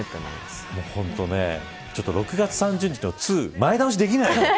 ６月３０日の２前倒しできないの。